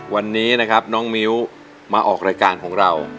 วันนี้นะครับน้องมิ้วมาออกรายการของเรา